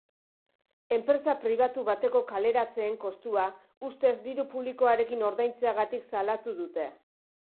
Enpresa pribatu bateko kaleratzeen kostua ustez diru publikoarekin ordaintzeagatik salatu dute.